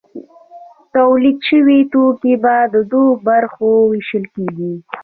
تولید شوي توکي په دوو برخو ویشل کیږي.